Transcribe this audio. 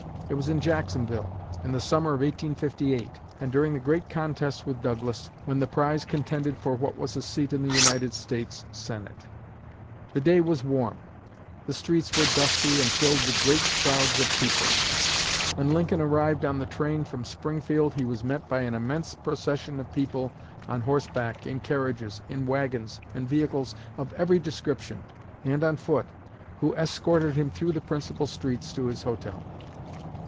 It was in Jacksonville, in the summer of 1858, and during the great contest with Douglas, when the prize contended for was a seat in the United States Senate. The day was warm; the streets were dusty, and filled with great crowds of people. When Lincoln arrived on the train from Springfield, he was met by an immense procession of people on horseback, in carriages, in wagons and vehicles of every description, and on foot, who escorted him through the principal streets to his hotel.